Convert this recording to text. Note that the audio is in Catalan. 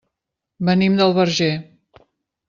Venim del Verger.